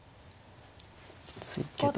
きついけど。